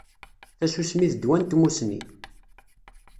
Tasusmi d ddwa n tmussni